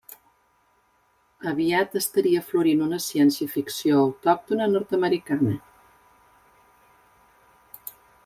Aviat estaria florint una ciència-ficció autòctona nord-americana.